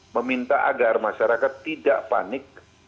meminta agar masyarakat tidak panik